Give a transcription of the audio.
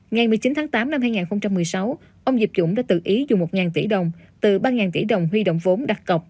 ngày một mươi chín tháng tám năm hai nghìn một mươi sáu ông diệp dũng đã tự ý dùng một tỷ đồng từ ba tỷ đồng huy động vốn đặt cọc